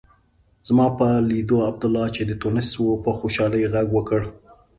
زما په لیدو عبدالله چې د تونس و په خوشالۍ غږ وکړ.